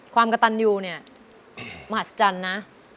ความกระตันยูเนี่ยมหัศจรรย์นะ